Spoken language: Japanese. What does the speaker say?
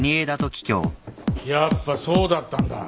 やっぱそうだったんだ。